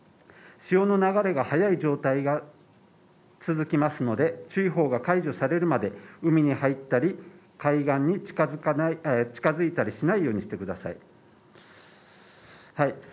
潮の流れが速い状態が続きますので、注意報が解除されるまで海に入ったり、海岸に近づいたりしないようにしてください。